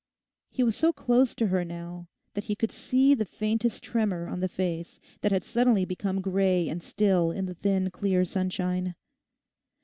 He was so close to her now that he could see the faintest tremor on the face that had suddenly become grey and still in the thin clear sunshine.